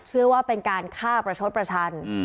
เชื่อว่าเป็นการฆ่าประชดประชัน